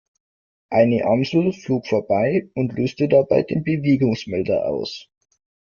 Eine Amsel flog vorbei und löste dabei den Bewegungsmelder aus.